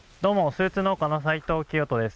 スーツ農家の斎藤聖人です。